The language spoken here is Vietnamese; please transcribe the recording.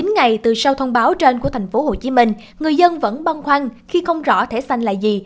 chín ngày từ sau thông báo trên của tp hcm người dân vẫn băn khoăn khi không rõ thẻ xanh là gì